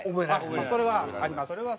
それはあります。